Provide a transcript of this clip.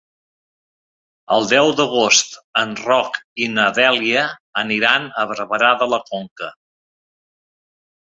El deu d'agost en Roc i na Dèlia aniran a Barberà de la Conca.